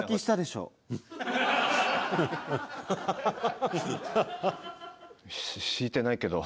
ししてないけど。